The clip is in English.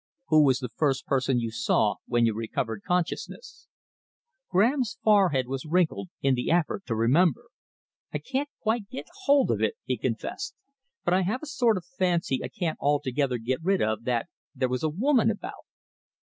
"Who was the first person you saw when you recovered consciousness?" Graham's forehead was wrinkled in the effort to remember. "I can't quite get hold of it," he confessed, "but I have a sort of fancy I can't altogether get rid of that there was a woman about."